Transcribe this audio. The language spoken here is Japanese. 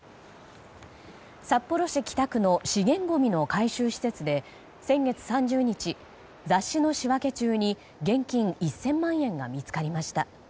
札幌市北区の資源ごみの回収施設で先月３０日、雑誌の仕分け中に現金１０００万円が見つかりました。